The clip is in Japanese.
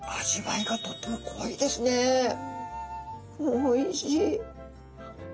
おいしい。